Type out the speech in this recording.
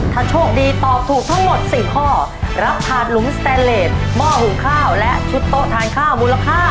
ถ้าโชคดีตอบถูกทั้งหมด๔ข้อรับถาดหลุมสแตนเลสหม้อหุงข้าวและชุดโต๊ะทานข้าวมูลค่า